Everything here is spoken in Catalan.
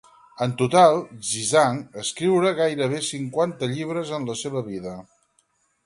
En total, Jizang escriure gairebé cinquanta llibres en la seva vida.